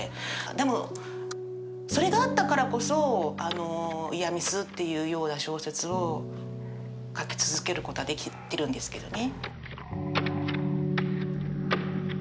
でもそれがあったからこそイヤミスっていうような小説を書き続けることができてるんですけどね。